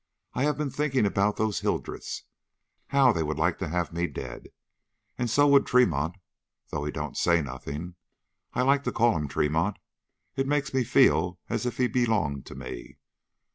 I have been thinking about those Hildreths. How they would like to have me dead! And so would Tremont, though he don't say nothing. I like to call him Tremont; it makes me feel as if he belonged to me.